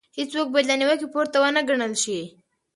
هيڅوک بايد له نيوکې پورته ونه ګڼل شي.